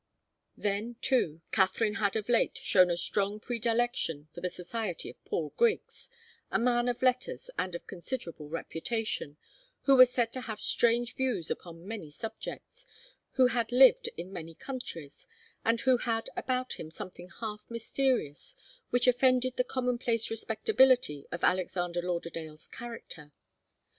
Then, too, Katharine had of late shown a strong predilection for the society of Paul Griggs, a man of letters and of considerable reputation, who was said to have strange views upon many subjects, who had lived in many countries, and who had about him something half mysterious, which offended the commonplace respectability of Alexander Lauderdale's character.